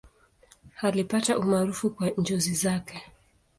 Alipata umaarufu kwa njozi zake.